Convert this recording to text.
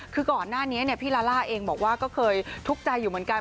คือก่อนหน้านี้พี่ลาล่าเองบอกว่าก็เคยทุกข์ใจอยู่เหมือนกัน